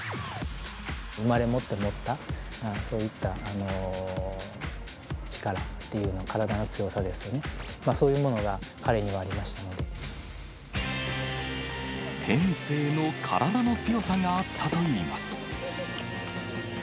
生まれ持って持った、そういった力っていうの、体の強さですよね、そういうものが彼にはありました天性の体の強さがあったといいます。